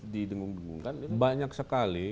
didengung dengungkan banyak sekali